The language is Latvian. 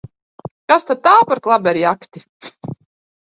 Kas tad tā par klaberjakti!